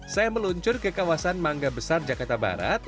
saya meluncur ke kawasan mangga besar jakarta barat